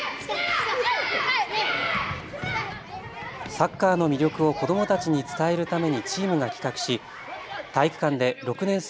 サッカーの魅力を子どもたちに伝えるためにチームが企画し体育館で６年生